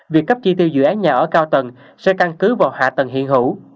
việc cấp chi tiêu dự án nhà ở cao tầng sẽ căn cứ vào hạ tầng hiện hữu